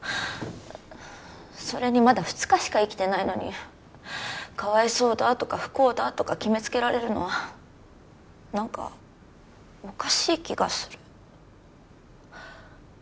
それにまだ２日しか生きてないのにかわいそうだとか不幸だとか決めつけられるのはなんかおかしい気がする。